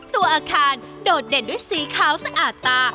ตัวอาคารโดดเด่นด้วยสีขาวสะอาดตา